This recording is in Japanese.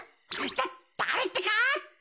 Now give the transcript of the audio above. だだれってか？